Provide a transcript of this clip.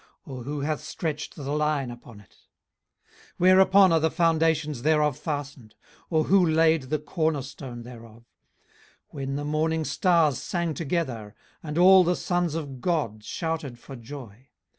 or who hath stretched the line upon it? 18:038:006 Whereupon are the foundations thereof fastened? or who laid the corner stone thereof; 18:038:007 When the morning stars sang together, and all the sons of God shouted for joy?